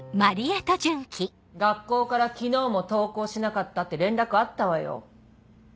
学校から昨日も登校しなかったって連絡あったわよ。